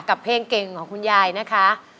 เพลงเก่งของคุณยายนะคะ